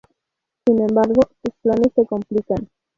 Sin embargo sus planes se complican.